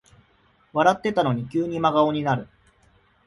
笑ってたのに急に真顔になる